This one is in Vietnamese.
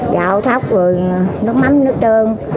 dạo thóc nước mắm nước trương